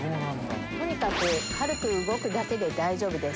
とにかく軽く動くだけで大丈夫です。